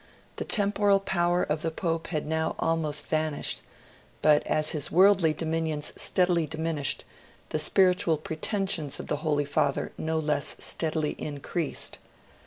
The temporal Power of the Pope had now almost vanished; but, as his worldly dominions steadily diminished, the spiritual pretensions of the Holy Father no less steadily increased.